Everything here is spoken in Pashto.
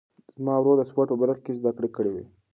زما ورور د سپورټ په برخه کې زده کړې کوي.